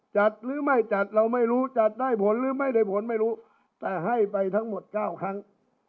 จัดหรือไม่จัดเราไม่รู้จัดได้ผลหรือไม่ได้ผลไม่รู้แต่ให้ไปทั้งหมด๙ครั้ง